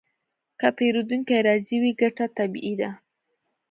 که پیرودونکی راضي وي، ګټه طبیعي ده.